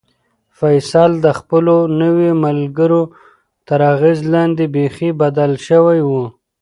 فیصل د خپلو نویو ملګرو تر اغېز لاندې بیخي بدل شوی و.